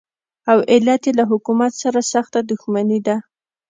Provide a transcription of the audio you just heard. او علت یې له حکومت سره سخته دښمني ده.